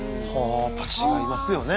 やっぱ違いますよね